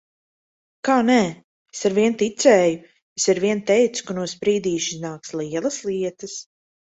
Kā nē? Es arvien ticēju! Es arvien teicu, ka no Sprīdīša iznāks lielas lietas.